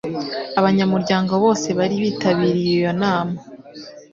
Abanyamuryango bose bari bitabiriye iyo nama. (NekoKanjya)